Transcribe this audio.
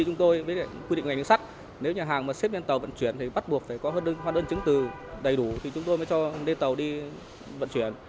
chúng tôi với quy định ngành đường sắt nếu nhà hàng mà xếp lên tàu vận chuyển thì bắt buộc phải có hóa đơn chứng từ đầy đủ thì chúng tôi mới cho nên tàu đi vận chuyển